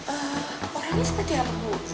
eee orangnya seperti aku